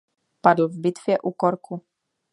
Padl v bitvě u Corku.